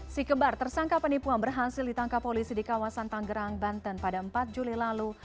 si kembar tersangka penipuan berhasil ditangkap polisi di kawasan tanggerang banten pada empat juli lalu